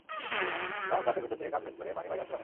কারণ, গ্লাসের ভেতর থেকে কাচ ভেদ করে পানি বাইরে আসতে পারে না।